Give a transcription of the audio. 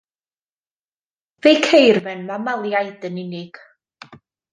Fe'i ceir mewn mamaliaid yn unig.